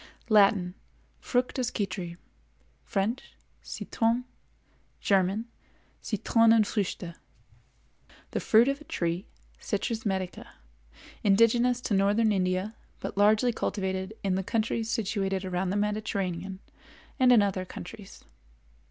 Latin—Fructus Citri; French—Citron; German—Citronenfrüchte. The fruit of a tree, Citrus medica, indigenous to northern India, but largely cultivated in the countries situated around the Mediterranean and in other countries.